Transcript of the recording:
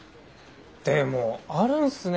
でもあるんすね